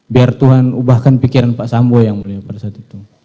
biar tuhan ubahkan pikiran pak sambo yang mulia pada saat itu